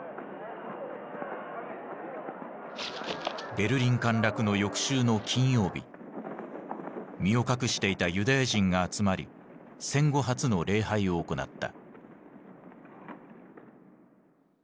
ベルリン陥落の翌週の金曜日身を隠していたユダヤ人が集まり戦後初の礼拝を行った。